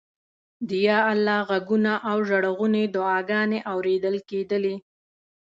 د یا الله غږونه او ژړغونې دعاګانې اورېدل کېدلې.